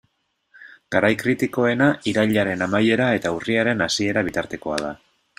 Garai kritikoena irailaren amaiera eta urriaren hasiera bitartekoa da.